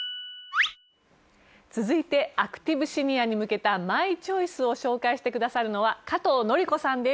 続いてアクティブシニアに向けたマイチョイスを紹介してくださるのは加藤紀子さんです。